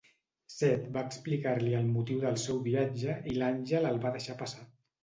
Set va explicar-li el motiu del seu viatge i l'àngel el va deixar passar.